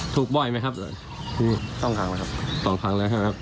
ถูกบ่อยไหมครับสองครั้งแล้วครับสองครั้งแล้วครับ